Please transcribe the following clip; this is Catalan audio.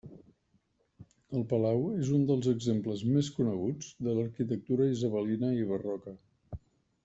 El palau és un dels exemples més coneguts de l'arquitectura isabelina i barroca.